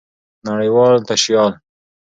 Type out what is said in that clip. نړۍوال تشيال